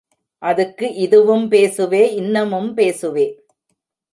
அதுக்கு இதுவும் பேசுவே இன்னமும் பேசுவே.